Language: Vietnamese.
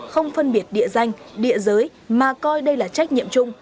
không phân biệt địa danh địa giới mà coi đây là trách nhiệm chung